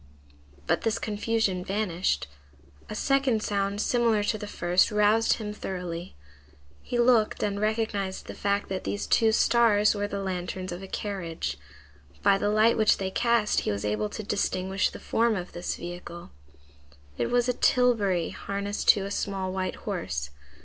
But this confusion vanished; a second sound similar to the first roused him thoroughly; he looked and recognized the fact that these two stars were the lanterns of a carriage. By the light which they cast he was able to distinguish the form of this vehicle. It was a tilbury harnessed to a small white horse.